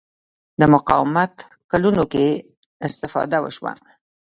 د مقاومت کلونو کې استفاده وشوه